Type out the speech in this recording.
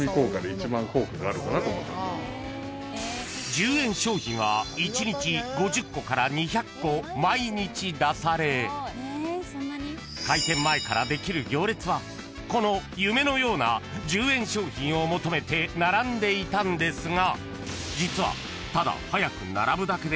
［１０円商品は１日５０個から２００個毎日出され開店前からできる行列はこの夢のような１０円商品を求めて並んでいたんですが実は］